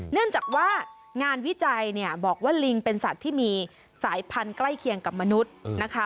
เนื่องจากว่างานวิจัยเนี่ยบอกว่าลิงเป็นสัตว์ที่มีสายพันธุ์ใกล้เคียงกับมนุษย์นะคะ